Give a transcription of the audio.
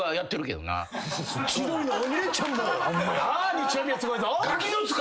日曜日はすごいぞ！